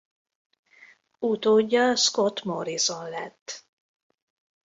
Utódja Scott Morrison lett.